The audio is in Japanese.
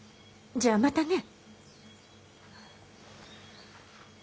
じゃあまたね。